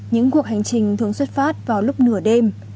những cuộc hành trình thường xuất phát vào lúc nửa đêm